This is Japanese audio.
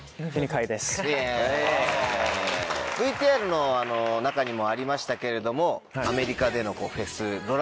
ＶＴＲの中にもありましたけれどもアメリカでのフェス